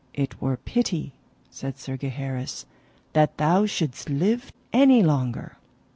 it were pity, said Sir Gaheris, that thou shouldst live any longer.